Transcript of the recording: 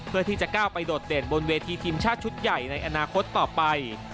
เพื่อที่จะก้าวไปโดดเด่นบนเวทีทีมชาติชุดใหญ่ในอนาคตต่อไป